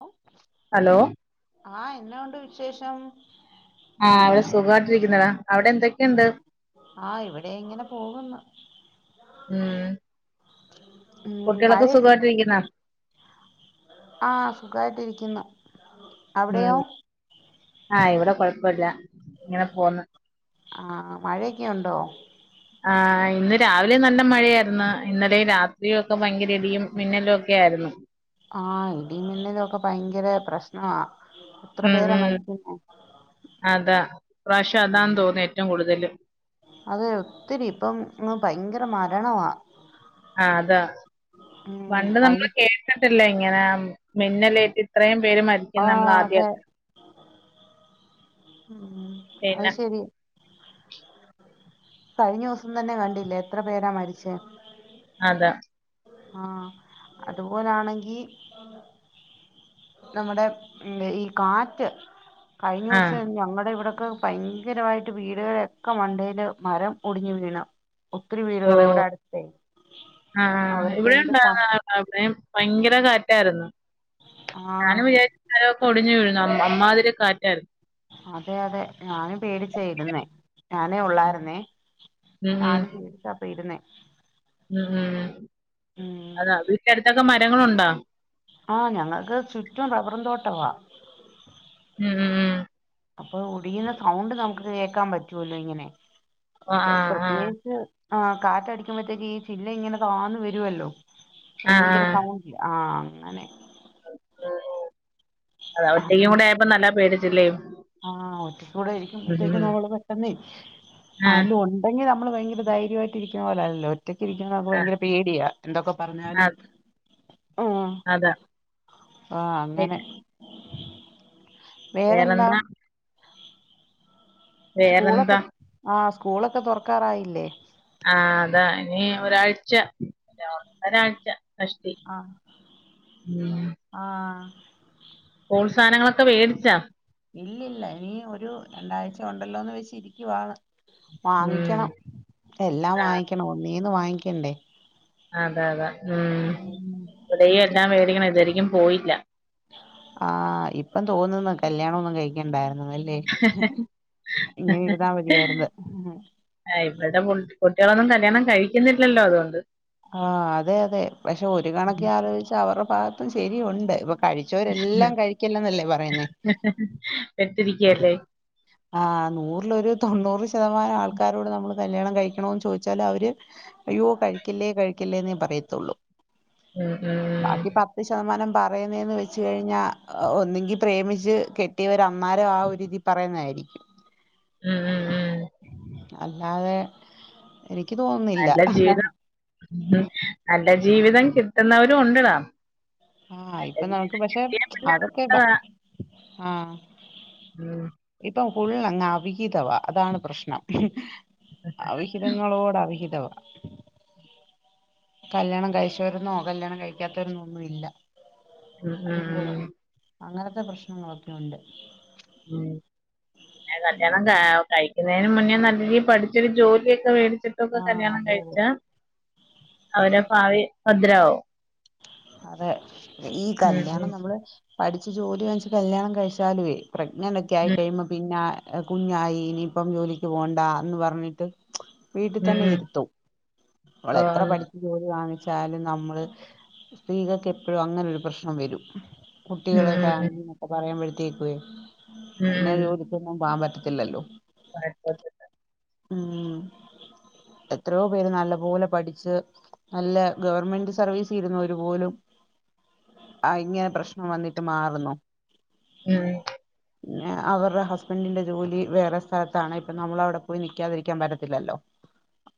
ഹ്ഹ് ഹലോ ആ എന്നാഉണ്ട് വിശേഷം ആ അവിടെ സുഖാട്ടിരിക്കുനേടാ അവിടെ എന്തെ ആ ഇവിടെ ഇങ്ങനെ പോകുന്നു ഉം ഉം കുട്ടികളൊക്കെ സുഖമായിട്ടിരിക്കുന്നാ ആ സുഖായിട്ട് ഇരിക്കുന്നു അവിടെയോ ആ ഇവിടെ കൊഴപ്പല്യ ഇങ്ങനെ പോന്ന് ആ മഴയൊക്കെ ഉണ്ടോ ആ ഇന്ന് രാവിലെ നല്ല മഴയായിരുന്നു ഇന്നലെ രാത്രിയൊക്കെ ഭയങ്കര ഇടിയും മിന്നലും ഒക്കെ ആയിരുന്നു ആ ഇടിമിന്നലൊക്കെ ഭയങ്കര പ്രശ് ആ എത്ര ഉം പേരാ ഉം മരിക്കുന്നെ ഈ പ്രാവശ്യം അതാന്ന് തോന്നു ഏറ്റവും കൂടുതല് അതെ ഒത്തിരി ഇപ്പം ഭയങ്കര മരണമാ ആ അതാ ഉം പണ്ട് കഴി നമ്മള് കേട്ട ഇതല്ലാ ഇങ്ങന മിന്നലേറ്റ് ഇത്രയും പേര് മരിക്കുന്ന ആഹ് നമ്മള് അതെ ആദ്യായിട്ട ഉം അത് പിന്നെ ശരി കഴിഞ്ഞ ദിവസം തന്നെ കണ്ടില്ലേ എത്ര പേരാ മരിച്ചേ അതാ ആ അതുപോലൊണെങ്കി നമ്മടെ ഈ കാറ്റ് കഴിഞ്ഞ ആഹ് ദിവസം ഞങ്ങളുടെ ഇവിടെ ഭയങ്കരമായിട്ട് വീടുകളൊക്കെ മണ്ടയില് മരം ഒടിഞ്ഞു വീണ് ഒത്തിരി വീടുകൾ ഇവിടെ അടുത്തെ ആ [inaudible] ഭയങ്കര [unintelligible] കാറ്റായിരുന്നു ആഹ് ഞാനും വിചാരിച്ച് മരമൊക്കെ ഒടിഞ്ഞു [unintelligible] അമ്മാതിരി കാറ്റരുന്നു അതെ അതെ ഞാനും പേടിച്ച ഇരുന്നേ ഞാനേ ഉള്ളായിരുന്നേ ഉം ഉം ഞാനും പേടിച്ചപ്പ ഇരുന്നേ ഉം ഉം ഉം അതാ വീട്ടനടുത്തൊക്കെ മ..... [unintelligible] ഉണ്ട ആ ഞങ്ങൾക്ക് ചുറ്റും റബ്ബറും തോട്ടവാ മ് മ് അപ്പൊ ഉടിയുന്ന സൗണ്ട് നമുക്ക് കേക്കാൻ പറ്റുവല്ലോ ഇങ്ങനെ ആ ആ ആ പ്രത്യേകിച്ച് ആ കാറ്റടിക്കുമ്പോഴത്തേക്ക് ഈ ചില്ല ഇങ്ങനെ താന്ന് വരുമല്ലോ ആ ആ ഭയങ്കര സൗണ്ട് [unintelligible] ആഹ് അങ്ങനെ ഓ ഓ അത ഒറ്റക്കും കൂടെ ആയപ്പോ നല്ല പേടി [unintelligible] ആഹാ ഒറ്റക്കും കൂടെ ഇരിക്കുമ്പത്തേക്ക് നമ്മള് പെട്ടെന്നേ ആ അരെലും ഉണ്ടെങ്കി നമ്മള് ഭയങ്കര ധര്യമായിട്ട് ഇരിക്കുന്ന പോലല്ലോ ഒറ്റക്ക് ഇരിക്കാൻ നമുക്ക് ആ ഭയങ്കര പേടിയ എന്തൊക്കെ ആ പറഞ്ഞാലും ആ അതാ ആ അങ്ങനെ വേറെന്താ വേറെന്താ സ്കൂളൊക്കെ ആഹ സ്കൂളൊക്കെ തൊറക്കാറായില്ലേ? ആഹ് അതാ ഇനി ഒരാഴ്ച ഒന്നരാഴ്ച [unintelligible] ആ മ് ആ കൂൾ സാധനങ്ങളൊക്കെ മേടിച്ചാ ഇല്ലില്ല ഇനി ഒരു രണ്ടാഴ്ച ഒണ്ടല്ലോന്ന് വെച്ച് ഇരിക്കുവാണ് ഉം വാങ്ങിക്കണം എല്ലാം ആ വാങ്ങിക്കണം ഒന്നീന്ന് വാങ്ങിക്ക [unintelligible] അതെ അതെ ഉം ഇവിടയും എല്ലാം വേടിക്കണം യും പോയില്ല ആഹ് ഇപ്പം തോന്നുന്ന കല്യാണമൊന്നും കഴിക്കണ്ടായിരുന്ന് ഹ് ഇരുന്നാ മതിയായിരുന്നു ഹ് ഇവിടെ കുട്ടികളൊന്നും ല്യാണം കഴിക്കുന്നില്ലല്ലോ അതുകൊണ്ട് ആഹ് അതെ അതെ പക്ഷേ ഒരു കണക്കിനാലോചിച്ചാ അവരെ ഭാഗ പ്പം ശരിയുണ്ട് ഇവ കഴിച്ചോരെല്ലാം കഴിക്കല്ലന്നല്ലേ പറയുന്നേ ചിരിക്കല്ലേ ആ നൂറിലൊരു തൊണ്ണൂറ് ശതമാനം ആൾക്കാരോട് ന മോള്കല്യാണം കഴിക്കണോന്ന് ചോയ്ച്ചാല് അവര് അയ്യോ കഴിക്കല്ലേ കഴിക്കല്ലേന്നേ പറയത്തൊള്ളൂ ഉം ഉം ബാക്കി പത്ത് ശതമാനം പറയുന്നേന്ന് വെച്ച് കഴിഞ്ഞാ ഒന്നിങ്കി പ്രേമിച്ച് കെട്ടിയവരന്നാരം ആ ഒരിതീ പറയുന്നാരി ഉം ഉം ഉം അല്ലാതെ എനിക്ക് തോന്നുന്നില്ല നല്ല ജീവിതം നല്ല ജീവിതം കിട്ടുന്നവരും ഉണ്ട്ടാ ആഹ് ഇപ്പൊ നമുക്ക് പക്ഷെ പിന്നെ അതൊക്കെ വ നല്ലതാ ആഹ് ഉം ഫുൾ അങ്ങ് അവിഹിതവാ അതാണ് പ്രശ് നം അവിഹിതങ്ങളോട് അവിഹിതവ കല്യാണം കഴിച്ചവരന്നോ കല്യാണം കഴിക്കാത്തവരന്നോ ഒന്നും ഇല്ല ഉം ഉം അവിഹിതവായി ഉം അങ്ങനത്തെ പ്രശ്നങ്ങളൊക്കെ ഉണ്ട് ഉം പിന്ന കല്യാണം കാ കഴിക്കു ന്നേറും മുന്നേ നല്ല രീ പഠിച്ചൊരു ജോലിയെക്കെ വേടിച്ച് [unintelligible] ക്കെ ആഹ് കല്യാണം അതെ കഴിച്ച അവരെ ഭാവി ഭദ്രാവും അതെ ഈ ഉം ഉം കല്യാണം നമ്മള് പഠിച്ച് ജോലി വാങ്ങിച്ച് കല്യാണം കഴിച്ചാലുവേ പ്രഗ്നന്റ് ഒക്കെ ആയി ഉം കഴിയുമ്പം പിന്നാ കുഞ്ഞായി ഇനിയിപ്പം ജോലിക്ക് പോവണ്ട എന്ന് പറഞ്ഞിട്ട് വീട്ടി ഉം തന്നെ ഉം. ഇരുത്തും ഓ അവളെത്ര ഉം പഠിച്ച് ജോലി വാങ്ങി ച്ചാല് നമ്മള് സ്ത്രീകക്ക് എപ്പൊഴും അങ്ങനൊരു പ്രശ്നം വരും ഉം കുട്ടികള് ഉം ഫാമിലീന്നൊക്കെ പറയമ്പഴെ കേക്കുവേ ഉം പിന്ന ഉം. അത്പോല തന്ന [unintelligible] ല്ലല്ലോ [unintelligible] ഉം എത്രയോ പേര് നല്ല പോലെ പഠിച്ച് നല്ല ഗവർമെന്റ് സർവീസി ഇരുന്നോര് പോലും ആ ഇങ്ങനെ പ്രശ്നം വന്നിട്ട് മാറുന്നു ഉം അവറ ഹസ്ബന്റിന്റ ജോലി വേറെ സ്ഥലത്താണ് ഇപ്പം നമ്മള അവിട പോയി നിക്കാതിരിക്കാൻ പറ്റത്തില്ലല്ലോ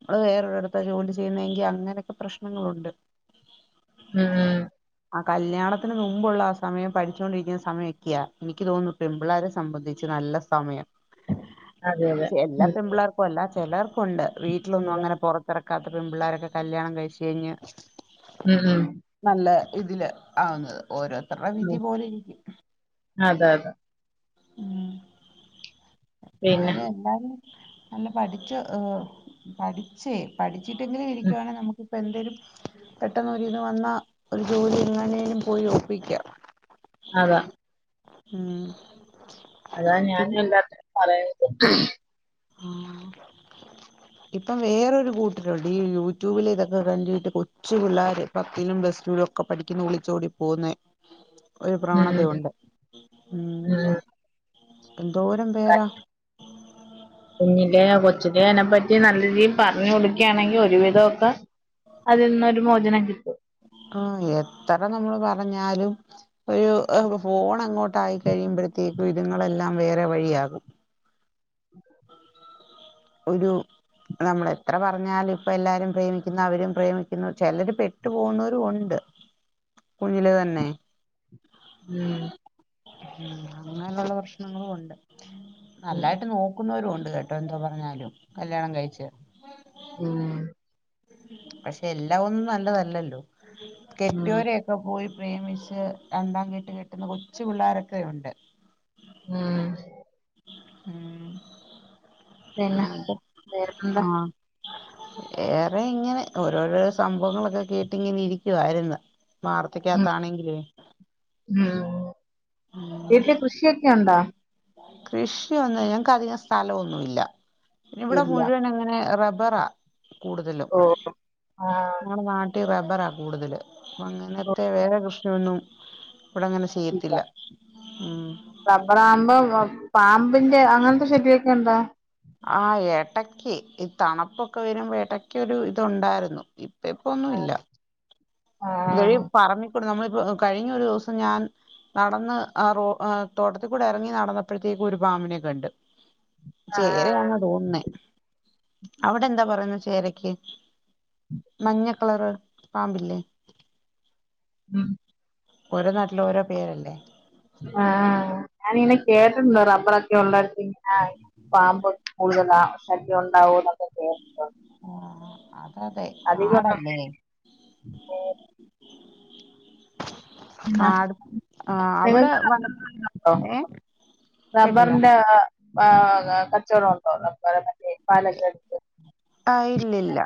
നമ്മള് വേറൊരിടുത്ത ജോലി ചെയ്യുന്നെങ്കി അങ്ങനൊക്കെ പ്രശ്നങ്ങളുണ്ട് ഉം ആ കല്യാണത്തിന് മുമ്പുള്ള ആ സമയം പഠിച്ചോണ്ടിരിക്കുന്ന സമയോക്കെയാ എനിക്ക് തോന്നുന്നു പെൺപിള്ളാരെ സംബന്ധിച്ച് നല്ല സമയം അതെ അതെ ഉം പുള്ളാർക്കും അല്ല, ചെലർ ക്കുണ്ട്, വീട്ടിലൊന്നും അതെ. അങ്ങനെ പൊറത്തെറ ക്കാത്ത പെൺപിള്ളാരൊക്കെ കല്യാണം കഴിച്ച് കഴിഞ്ഞ് ഉം ഉം നല്ല ഇതില് ആവുന്നത് ഓരോ ത്രടെ വിധി ഉം പോലെ ഇരിക്കും അതെ അതെ ഉം പിന്നെ ന്നാലും എല്ലാരും നല്ല പഠിച്ച ഏഹ് പഠിച്ചേ പഠി ച്ചിട്ടെങ്കിലും ഉം ഇരിക്കുവാണെ നമുക്ക് ക് പ്പ എന്തേലും പെട്ടെന്ന് ഒരിത് വന്നാ ഒരു ജോലി എങ്ങനേലും പോയി ഒപ്പിക്കാ അതാ ഉം അതാ ഞാൻ പിന്നെ എല്ലാ [inaudible] പറയ ഓക്കെ [unintelligible] ഉം ഇപ്പം വേറൊരു കൂട്ടരുണ്ട്, ഈ യൂട്യൂബിൽ ഇതൊക്കെ കണ്ടിട്ട്, കൊച്ചു പിള്ളാര്, പത്തിലും പ്ലസ്ടുലും ഒക്ക പഠിക്കുന്ന, ഒളിച്ചോടി പോവുന്നേ ഒരു പ്രവണത ഉം ഉണ്ട് ഉം എന്തോരം പേരാ ചൂടി അതിനെപ്പറ്റി നല്ല രീയിൽ പറഞ്ഞു കൊടുക്കുകയാണെങ്കി ഒരുവിധവൊക്ക ആഹ് എത്ര നമ്മള് പറഞ്ഞാലും ഒരു അഹ് ഫോണങ്ങോട്ടായി കഴിയുമ്പഴത്തേക്കും ഇതുങ്ങളെല്ലാം വേറെ വഴി ആകും ഒരു നമ്മള് എത്ര പറഞ്ഞാലും ഇപ്പ എല്ലാരും പ്രേമിക്കുന്ന അവരും പ്രേമിക്കുന്നു. ചെലര് പെട്ടു പോവുന്നോരും ഉണ്ട്, കുഞ്ഞില തന്നെ ഉം ഉം അങ്ങനുള്ള പ്രശ്നങ്ങളും ഉണ്ട് ഉം നല്ലായിട്ട് നോക്കുന്നവരു ഒ ല്ലട്ടോ എന്തോ പറഞ്ഞാലും, കല്യാണം കഴിച്ച് ഉം പക്ഷെ എല്ലാം ഒന്നും നല്ലതല്ലല്ലോ ഉം കെറ്റയോരൊക്കെ പോയി പ്രേമിച്ച് രണ്ടാം കെട്ട് കെട്ടുന്ന കൊച്ചു പിള്ളാരൊക്കെ ഉണ്ട് മ് മ് പിന്നെ വേറെന്താ ആഹ് വേറെ ഇങ്ങനെ ഓരോരോ സംഭവങ്ങളൊക്കെ കേട്ടിങ്ങനെ ഇരിക്കുവായിരുന്ന് മ് മ് വീട്ട്ല് കൃഷിയൊക്കെ ഉണ്ടാ കൃഷി ഒന്നുല്ല ഞങ്ങക്ക് അധികം സ്ഥലവൊന്നുല്ല ഇവിടെ ഇല്ല മുഴുവൻ അങ്ങനെ റബ്ബ വേറാ കൂടുതലും ഓ ആഹ് ഞങ്ങടെ നാ റബ്ബറാ കൂടുതല് ഓ അങ്ങനത്തെ വേറെ കൃഷിയൊന്നും ഇവിടെ അങ്ങനെ ഇല്ല ചെയ്യത്തില്ല ഉം റബ്ബറാവ്മ്പോ [unintelligible] പാമ്പിന്റെ അങ്ങനത്തെ ശല്യെ നി എന്താ ആഹ് ഏട്ടക്ക് ഈ തണുപ്പൊക്കെ വരുമ്പോ ഏടക്കൊരു ഇത് ഒണ്ടായിരുന്നു ഇ ഇപ്പൊന്നു ഇല്ല ഇവരീ ആഹ് പറഞ്ഞ് നമ്മളിപ്പോ കഴിഞ്ഞൊരു ദിവസം ഞാൻ നടന്ന് ആ റോ ആഹ് തോട്ടത്തിൽക്കൂടെ ഇറങ്ങി നടന്നപ്പോഴത്തേക്ക് ഒരു പാമ്പിനെ കണ്ട് ആഹ് ചേരയാന്നാ തോന്ന്ന്നേ അവിടെ എന്താ പറയുന്നെ ശെരിക്ക് മഞ്ഞ കളറ് പാമ്പില്ലേ മ് ഓരോ നാട്ട്ല് ഓരോ പേരല്ലേ ആഹ് ഞാനിങ്ങനെ കേട്ടിട്ട്ണ്ട് റബ്ബറൊക്കെ ഉള്ളടത്ത് ഇങ്ങനെ പാമ്പ് കൂടുതലാ ശല്യവൊണ്ടാവോ ന്നൊക്കെ കേട്ടി ആഹ് അ അതെ കാടല്ലേ പിന്ന കാട് ആ അവിടെ നിങ്ങക്ക് വന [unintelligible] ഏ കേട്ടില്ല റബ്ബറിന്റെ ആഹ് [unintelligible] കച്ചവടം ഉണ്ടോ [unintelligible] പാലക്കാട്‌ ആഹ് ഇല്ലില്ല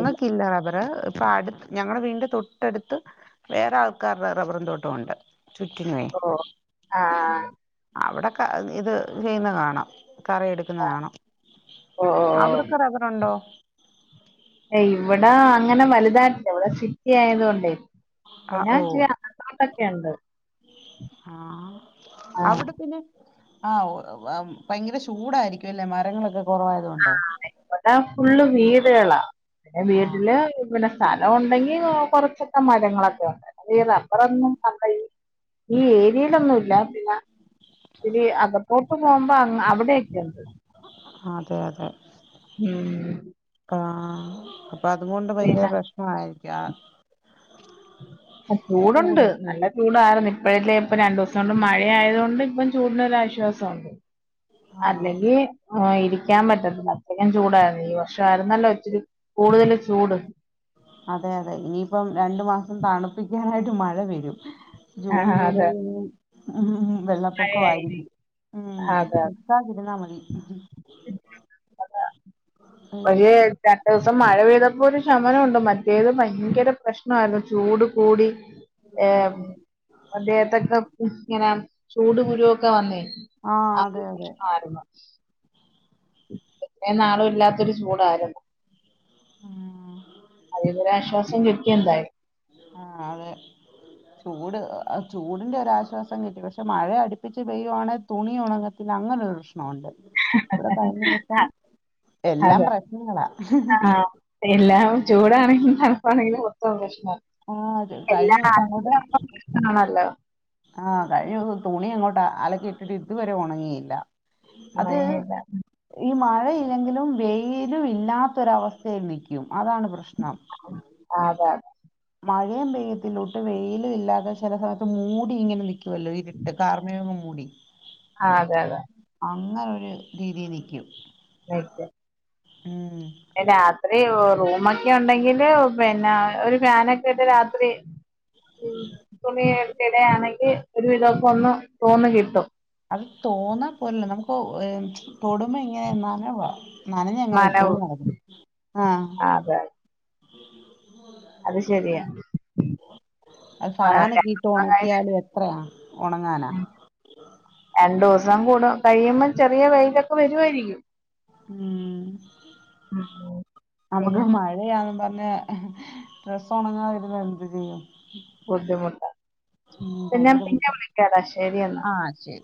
ഇല്ല. റബ്ബ ഇപ്പ അടു ഞങ്ങള വീട്ന്റെ തൊട്ടടുത്ത് വേറെ ആൾക്കാരുടെ റബ്ബറും തോട്ടവുണ്ട് ചുറ്റിനുവേ ഓഹ് ആഹ് അവ്ടെ ക്ക അത്‌ ഇത് ചെയ്യുന്ന കാണാം കറ എടുക്കുന്ന ആണോ ഓഹ് അവിടെ ഒണ്ടോ? ഏയ്യ് ഇവിടെ അങ്ങനെ വലുതായിട്ട് ല്ല ഇവിടെ സിറ്റി ആയത് കൊണ്ടേ ആഹ് ഓ ഉണ്ട് ആഹ് ആ അവിടെ പിന്നെ ആഹ് ഓഹ് ഭയങ്കര ചൂടായിരിക്കു അല്ലേ മരങ്ങളൊക്കെ കുറവായതുകൊണ്ട് ആ ഇവ്ടെ ഫുള്ള് വീ ട്കള പിന്നെ ആ വീട്ടില് പിന്നെ സ്ഥലം ഉണ്ടെങ്കി കൊറച്ച് [unintelligible] മരങ്ങളൊക്കെ ഉണ്ട് അത് ഈ റബ്ബറൊന്നും അല്ല ഈ ഏരിയയിലൊന്നും ഇല്ല പിന്നെ ശെരി [unintelligible] പോകുമ്പോ അങ്ങ് അവിടയൊക്കെയുണ്ട് അതെ അതെ ക ആഹ് പ്പ അതുകൊണ്ട് ഭയങ്കര പ്രശ്നമായി [unintelligible] ആഹ് ചൂടുണ്ട് നല്ല ചൂടായിര്ന്നു ഇപ്പഴല്ലേ ഇപ്പ രണ്ടു ദിവസം കൊണ്ട് മഴയായതു കൊണ്ട് ഇപ്പം ചൂടിനൊര് ആശ്വാസവൊണ്ട് ആ അല്ലെങ്കി [unintelligible] ഇരിക്കാൻ പറ്റത്തില്ല അത്രക്കും ചൂടായിരുന്നു ഈ വർഷം ആരുന്നല്ലോ ഇച്ചരി അതെ അതെ ഇനിയിപ്പം രണ്ടു മാസം തണുപ്പിക്കാനായിട്ട് മഴ വരും ആ ജൂൺ അതെ ജൂലൈൽ ഇനിയും [unintelligible] വെള്ളപ്പൊക്ക മഴയായി ആയിരിക്കും അതെ നിക്കാതിരുന്നാൽ മതി പക്ഷേ രണ്ടു ദിവസം മഴ പെയ്തപ്പൊ ഒരു ശമനമുണ്ട് മറ്റേത് ഭയ കെട പ്രശ്നായിര്ന്നു ചൂടും കൂടി ഏഹ് ഉം ആ ദേഹത്തൊക്കെ [unintelligible] ചൂട് കുരുവൊക്കെ വന്നേ ആഹ് അ അതെ [unintelligible] അതെ പ്രശ്നായിരുന്നു എത്ര നാളും ഇല്ലാത്തൊരു ചൂടായിരുന്നു ഉം അതിന്നൊരു ആശ്വാസം കി [unintelligible] ആ അതെ ചൂട് ചൂടിന്റെ ഒരാശ്വാസം കിട്ടി പക്ഷെ മഴ അടുപ്പിച്ച് പെയ്യുവാണെങ്കിൽ തുണി ഉണങ്ങത്തില്ല അങ്ങന ഒരു പ്രശ്നുണ്ട് ഇവിടെ കഴിഞ്ഞ ദിവസം എല്ലാം അതെ പ്രശ്നങ്ങളാ തണുപ്പാണേ ആ കഴിഞ്ഞ ദിവസം അങ്ങോട്ട് നാട്ടിലും പ്രശ്നമാണല്ലോ ആ കഴിഞ്ഞ ദിവസം തുണി അങ്ങോട്ടാ അലക്കിട്ടിട്ട് ഇതുവരെ ഉണങ്ങിയില്ല അതെ അത് അതെ ഈ മഴ എങ്കിലും വെയിലും ഇല്ലാത്തൊരവസ്ഥയിൽ നിൽക്കും അതാണ് പ്രശ്നം ആ അതെ അതെ മഴയും പെയ്യത്തില്ലോട്ട് വെയിലും ഇല്ലാതെ ചില സമയത്ത് മൂടി ഇങ്ങനെ നിക്കും ല്ലോ ഇര്ട്ട് കാർമേ മുടി ആ അതെ അതെ അങ്ങെ ഒരു രീതി നിൽക്കൂ നിക്ക്. രാത്രി റൂമൊക്കെ ഉണ്ടെങ്കില് പിന്നെ ഒരു ഫാനൊക്കെ ഇട്ട് രാത്രി ഉ തുണിയ എടുത്തിടെയാണെങ്കിൽ ഒരു വിധക്ക് ഒന്നും തോന്ന കിട്ടും അത് തോന്നാ പോലല്ല നമുക്ക് തൊടുമ്പോ ഇങ്ങനെ നനവാ നനഞ്ഞ അങ്ങനെ നനവ് ഇട്ടോണ്ട് നടക്കും ആഹ് അതെ അത് ശെരിയാ അ ഫാനൊകെകീട്ട് ഉണക്കിയാലും എത്രയാ ഉണങ്ങാനാ രണ്ടു ദിവസം കൂട കഴിയുമ്പം ചെറിയ വെയിലൊക്കെ വരുവായിരിക്കും ഉം ഉം നമുക്ക് പിന്നെ മഴയാന്ന് പറഞ്ഞ് പിന്നെ ഡ്രസ്സ് ഉണങ്ങാവുന്ന എന്ത്ചെയ്യും? ബുദ്ധിമുട്ട പിന്നെ ഞാൻ ഭയങ്കര പിന്നെ ബുദ്ധി വിളിക്കാട ശരിയെന്നാ ആഹ് ശരി